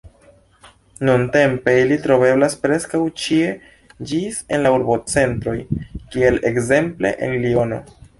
Nuntempe ili troveblas preskaŭ ĉie ĝis en la urbocentroj, kiel ekzemple en Liono.